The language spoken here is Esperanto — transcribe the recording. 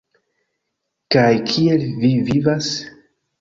Kaj kiel vi vivas?